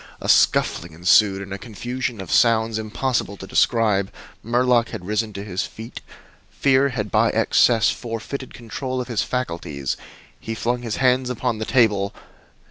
A scuffling ensued, and a confusion of sounds impossible to describe. Murlock had risen to his feet. Fear had by excess forfeited control of his faculties. He flung his hands upon the table.